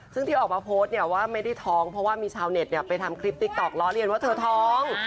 ซึ่งที่ออกมาโพสต์เนี่ยว่าไม่ได้ท้องเพราะว่ามีชาวเน็ตไปทำคลิปติ๊กต๊อกล้อเรียนว่าเธอท้อง